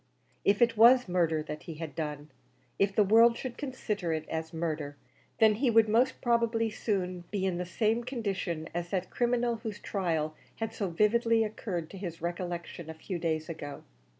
If it was murder that he had done if the world should consider it as murder then he would most probably soon be in the same condition as that criminal whose trial had so vividly occurred to his recollection a few days ago.